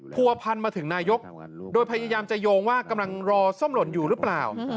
ผัวพันมาถึงนายกโดยพยายามจะโยงว่ากำลังรอส้มหล่นอยู่หรือเปล่า